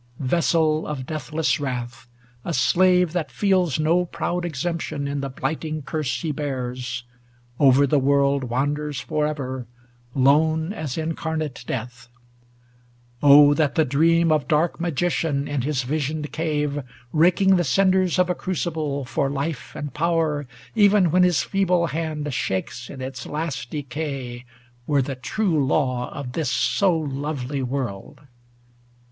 Vessel of deathless wrath, a slave that feeli No proud exemption in the blighting curse He bears, over the world wanders for ever, 680 Lone as incarnate death ! Oh, that the dream Of dark magician in his visioned cave, Raking the cinders of a crucible For life and power, even when his feeble hand Shakes in its last decay, were the true law Of this so lovely world